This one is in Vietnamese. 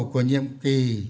của nhiệm kỳ